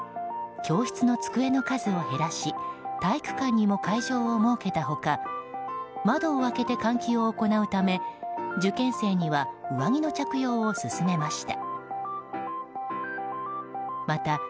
教室の机の数を減らし体育館にも会場を設けた他窓を開けて換気を行うため受験生には上着の着用を勧めました。